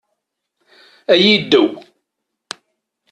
Ay iddew!